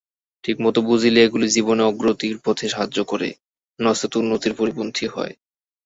ঠিকমত বুঝিলে এগুলি জীবনে অগ্রগতির পথে সাহায্য করে, নচেৎ উন্নতির পরিপন্থী হয়।